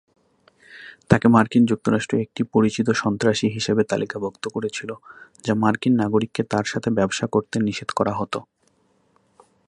তাকে মার্কিন যুক্তরাষ্ট্র একটি পরিচিত সন্ত্রাসী হিসাবে তালিকাভুক্ত করেছিল, যা মার্কিন নাগরিককে তার সাথে ব্যবসা করতে নিষেধ করা হতো।